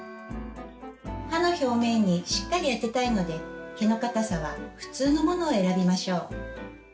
歯の表面にしっかり当てたいので毛の固さは「ふつう」のものを選びましょう。